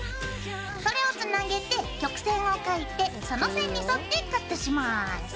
それをつなげて曲線を描いてその線に沿ってカットします。